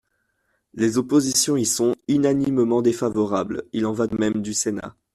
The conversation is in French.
Les oppositions y sont unanimement défavorables ; il en va de même du Sénat.